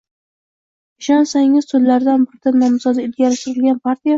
Ishonsangiz, tumanlardan biridan nomzodi ilgari surilgan partiya